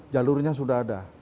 jalurnya sudah ada